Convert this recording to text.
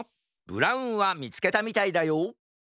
ブラウンはみつけたみたいだよ